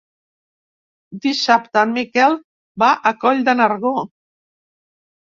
Dissabte en Miquel va a Coll de Nargó.